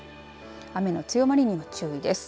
雨の強まりには注意です。